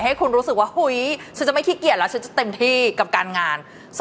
ให้คุณรู้สึกว่าเฮ้ยฉันจะไม่ขี้เกียจแล้วฉันจะเต็มที่กับการงาน